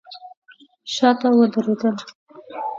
شاته ودرېدل.